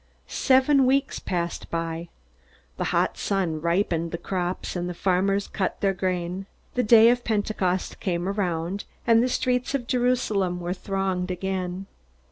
Seven weeks passed by. The hot sun ripened the crops, and the farmers cut their grain. The Day of Pentecost came around, and the streets of Jerusalem were thronged again.